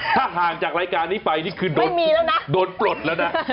หากห่างจากรายการนี้ไปคือส่งโปรดแล้วน๊ะ